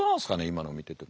今の見てて。